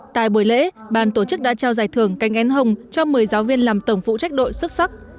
tại buổi lễ bàn tổ chức đã trao giải thưởng cánh én hồng cho một mươi giáo viên làm tổng phụ trách đội xuất sắc